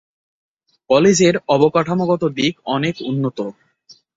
কলেজের অবকাঠামোগত দিক অনেক উন্নত।